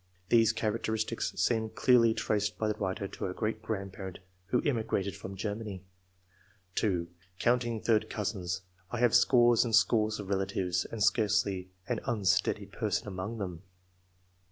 [These characteristics seem clearly traced by the writer to a great grandparent who immigrated from Germany] ; (2) " Counting third cousins, I have scores and scores of relatives, and scarcely an iinsteady person among them."